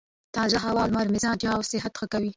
تازه هوا او لمر مزاج او صحت ښه کوي.